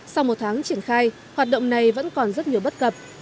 sau một tháng triển khai hoạt động này vẫn còn rất nhiều bất cập